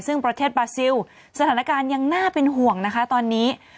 ซึ่งประเทศบาซิลสถานการณ์ยังน่าเป็นห่วงนะคะตอนนี้